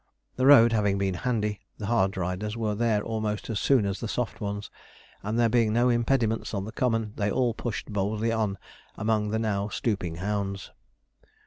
The road having been handy, the hard riders were there almost as soon as the soft ones; and there being no impediments on the common, they all pushed boldly on among the now stooping hounds.